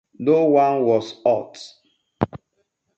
No one was hurt.